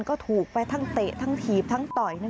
ก็ถูกไปทั้งเตะทั้งถีบทั้งต่อย